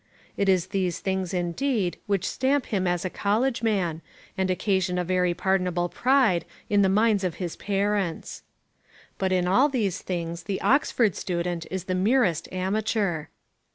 It is these things indeed which stamp him as a college man, and occasion a very pardonable pride in the minds of his parents. But in all these things the Oxford student is the merest amateur.